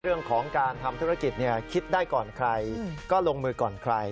เรื่องของการทำธุรกิจคิดได้ก่อนใครก็ลงมือก่อนใคร